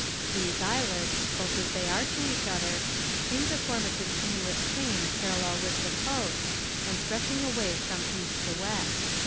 These islets, close as they are to each other, seem to form a continuous chain parallel with the coast, and stretching away from east to west."